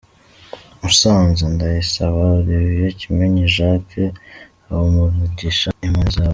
Musanze: Ndayisaba Olivier, Kimenyi Jacques, Habumugisha Imanizabayo.